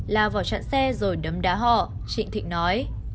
là vào chặn xe rồi đấm đá họ trịnh thịnh nói